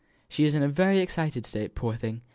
"She is in a very excited state, poor thing!